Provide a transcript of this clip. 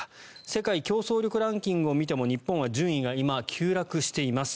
世界競争力ランキングを見ても日本は順位が今、急落しています。